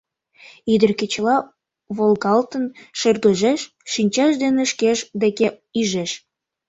Ӱдыр кечыла волгалтын шыргыжеш, шинчаж дене шкеж деке ӱжеш.